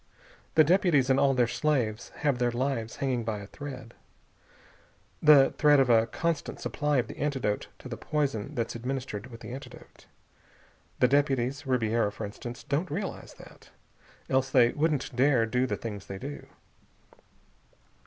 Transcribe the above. "The deputies and all their slaves have their lives hanging by a thread the thread of a constant supply of the antidote to the poison that's administered with the antidote. The deputies Ribiera, for instance don't realize that. Else they wouldn't dare do the things they do.